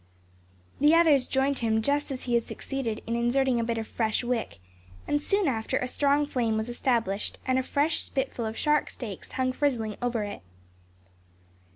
The others joined him just as he had succeeded in inserting a bit of fresh wick; and soon after a strong flame was established, and a fresh spitful of shark steaks hung frizzling over it.